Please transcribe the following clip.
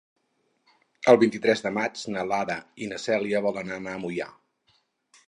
El vint-i-tres de maig na Lara i na Cèlia volen anar a Moià.